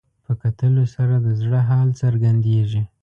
په کتلو سره د زړه حال څرګندېږي